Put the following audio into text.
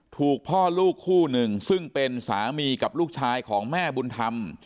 ถูกพ่อลูกคู่หนึ่งซึ่งเป็นสามีกับลูกชายของแม่บุญธรรม